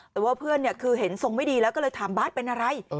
แต่ว่าเพื่อนคือเห็นทรงไม่ดีแล้วก็เลยถามบาทเป็นอะไร